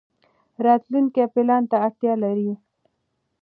راتلونکی پلان ته اړتیا لري.